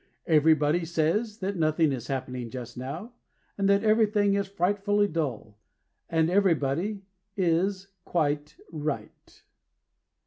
Everybody says That nothing is happening just now, And that everything is frightfully dull; And Everybody Is Quite Right.